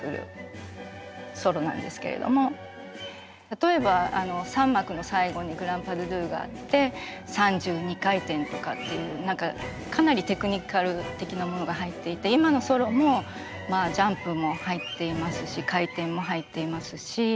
例えば３幕の最後にグランパドドゥがあって３２回転とかっていうかなりテクニカル的なものが入っていて今のソロもジャンプも入っていますし回転も入っていますし。